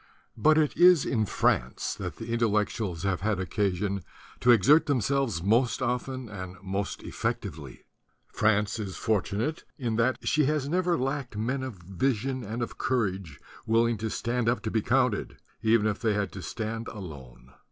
But it is in France that the Intellectuals have had occasion to exert themselves most often and most effectively. France is fortunate in that she has never lacked men of vision and of courage, willing to stand up to be counted, even if they had to stand alone.